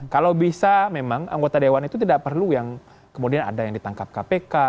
kalau bisa memang anggota dewan itu tidak perlu yang kemudian ada yang ditangkap kpk